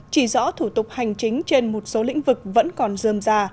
chỉ rõ thủ tục hành chính trên một số lĩnh vực vẫn còn dơm ra